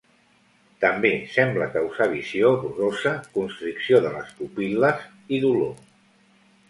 També sembla causar visió borrosa, constricció de les pupil·les i dolor.